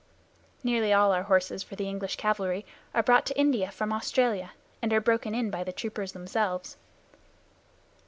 Nearly all our horses for the English cavalry are brought to India from Australia, and are broken in by the troopers themselves.